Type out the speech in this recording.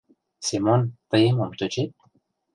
«Семон, тые мом тӧчет?